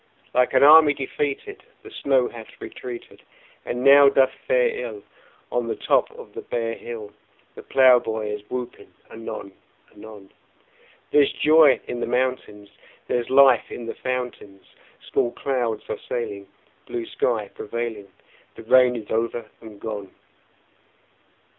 Like an army defeated The snow hath retreated, And now doth fare ill On the top of the bare hill; The plowboy is whooping anon anon: There's joy in the mountains; There's life in the fountains; Small clouds are sailing, Blue sky prevailing; The rain is over and gone!